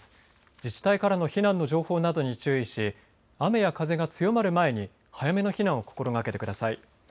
自治体からの避難の情報などに注意し雨や風が強まる前に早めの避難を心がけてください。